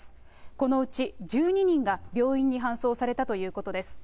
このうち１２人が病院に搬送されたということです。